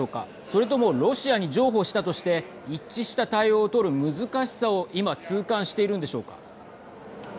それともロシアに譲歩したとして一致した対応を取る難しさを今、痛感しているのでしょうか。